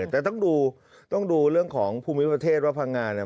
แต่ต้องดูต้องดูเรื่องของภูมิประเทศว่าพังงาเนี่ย